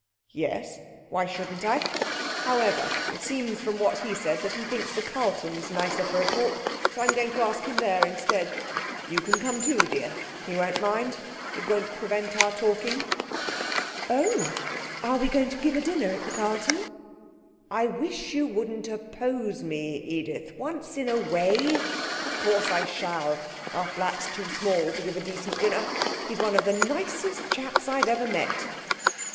'Yes. Why shouldn't I? However, it seems from what he said that he thinks the Carlton's nicer for a talk, so I'm going to ask him there instead. You can come too, dear. He won't mind; it won't prevent our talking.' 'Oh, are we going to give a dinner at the Carlton?' 'I wish you wouldn't oppose me, Edith. Once in a way! Of course I shall. Our flat's too small to give a decent dinner. He's one of the nicest chaps I've ever met.'